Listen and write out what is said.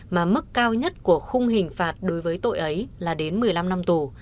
mà mức cao nhất của khung hình phạt đối với tội ấy là đến một mươi năm năm tù